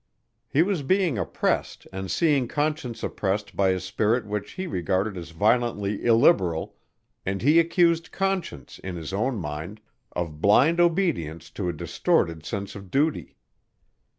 He was being oppressed and seeing Conscience oppressed by a spirit which he regarded as viciously illiberal and he accused Conscience, in his own mind, of blind obedience to a distorted sense of duty.